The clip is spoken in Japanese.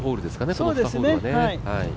この２ホールはね。